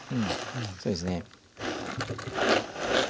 そうですね。